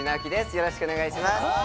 よろしくお願いします